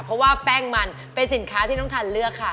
เพราะว่าแป้งมันเป็นสินค้าที่น้องทันเลือกค่ะ